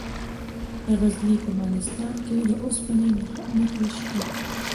د غزني په مالستان کې د اوسپنې نښې شته.